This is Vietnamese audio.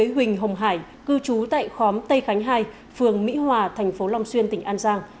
huỳnh hồng hải cư trú tại khóm tây khánh hai phường mỹ hòa thành phố long xuyên tỉnh an giang